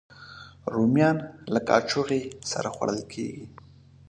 رومیان له کاچوغې سره خوړل کېږي